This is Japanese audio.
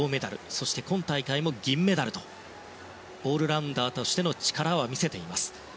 そして、今大会も銀メダルとオールラウンダーとしての力は見せています。